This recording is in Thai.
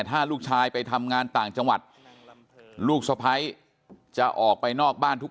ถ้าลูกชายไปทำงานต่างจังหวัดลูกสะพ้ายจะออกไปนอกบ้านทุก